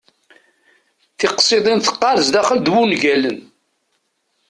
Tiqsiḍin teqqar sdaxel d wungalen.